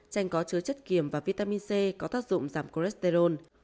tranh có chứa chất kiềm và vitamin c có tác dụng giảm cholesterol